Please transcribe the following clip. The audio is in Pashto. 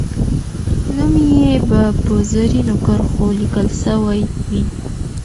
نوم یې به په زرینو کرښو لیکل سوی وي.